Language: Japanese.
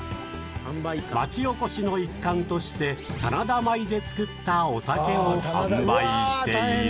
町おこしの一環として棚田米で作ったお酒を販売している。